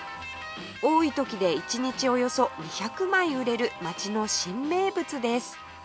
多い時で１日およそ２００枚売れる街の新名物です